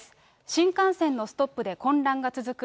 新幹線のストップで混乱が続く